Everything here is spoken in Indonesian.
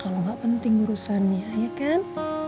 kalau nggak penting urusannya ya kan